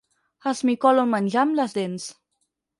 Esmicolo el menjar amb les dents.